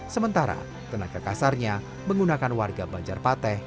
sementara tenaga kasarnya menggunakan warga banjarpateh